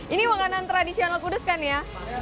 ini makanan tradisional kudus kan ya